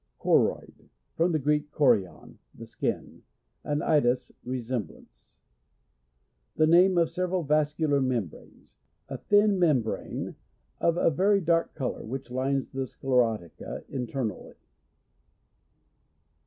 Choroid. — From the Greek, chorion, (the skin,) and eidos, resemblance. The name of several vascular mem branes. A thin membrane of a very dark colour, which lines the sclero tica internally.